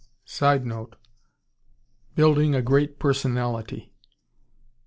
[Sidenote: Building a "great personality."